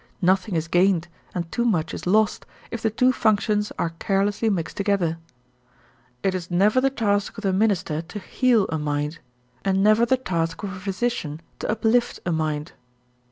Nothing is gained and too much is lost if the two functions are carelessly mixed together. It is never the task of the minister to heal a mind and never the task of a physician to uplift a mind.